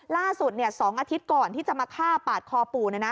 ๒อาทิตย์ก่อนที่จะมาฆ่าปาดคอปู่